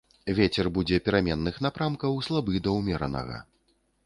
Вецер будзе пераменных напрамкаў слабы да ўмеранага.